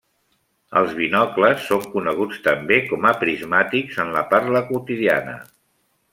Els binocles són coneguts també com a prismàtics en la parla quotidiana.